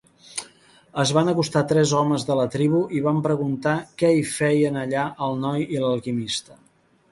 Es van acostar tres homes de la tribu i van preguntar què hi feien allà el noi i l'alquimista.